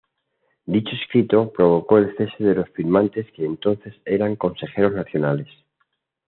Dicho escrito provocó el cese de los firmantes que entonces eran consejeros nacionales.